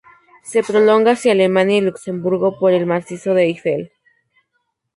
Se prolonga hacia Alemania y Luxemburgo por el macizo de Eifel.